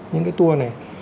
những cái tour này